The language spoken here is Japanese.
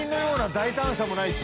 大胆さもないし。